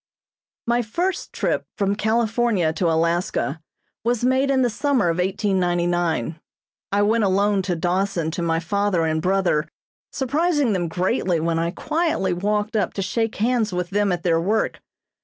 My first trip from California to Alaska was made in the summer of 1899. I went alone to Dawson to my father and brother, surprising them greatly when I quietly walked up to shake hands with them at their work.